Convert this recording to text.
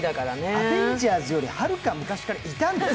アベンジャーズより、はるか昔からいたの？